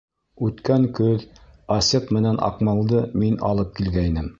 Үткән көҙ Асет менән Аҡмалды мин алып килгәйнем.